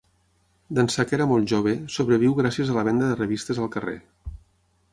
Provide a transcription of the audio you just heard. D'ençà que era molt jove, sobreviu gràcies a la venda de revistes al carrer.